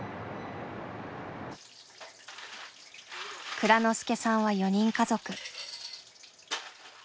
蔵之介さんは４人家族。